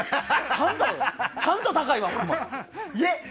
ちゃんと高いわ。